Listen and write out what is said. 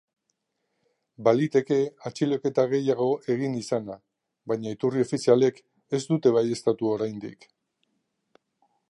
Baliteke atxiloketa gehiago egin izana, baina iturri ofizialek ez dute baieztatu oraindik.